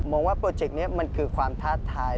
มองว่าโปรเจกต์นี้มันคือความท้าทาย